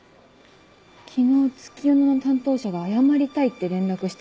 「昨日月夜野の担当者が謝りたいって連絡してきた。